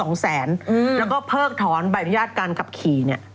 แล้วก็เพิกถอนบรรยาทการกลับขี่